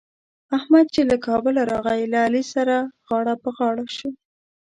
احمد چې له کابله راغی؛ له علي سره غاړه په غاړه شو.